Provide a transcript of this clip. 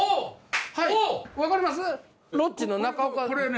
わかります？